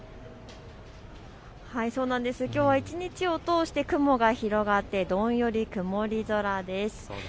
きょうは一日を通して雲が広がってどんより、曇り空です。